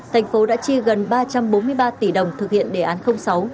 thành phố đã chi gần ba trăm bốn mươi ba tỷ đồng thực hiện đề án sáu